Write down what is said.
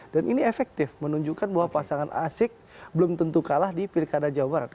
dan ini efektif menunjukkan bahwa pasangan asik belum tentu kalah di pilkada jawa barat